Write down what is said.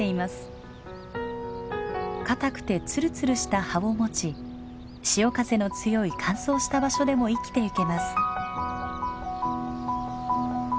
かたくてツルツルした葉を持ち潮風の強い乾燥した場所でも生きていけます。